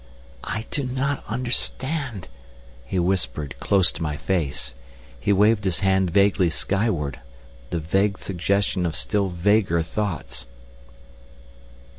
"I do not understand!" he whispered close to my face. He waved his hand vaguely skyward, the vague suggestion of still vaguer thoughts.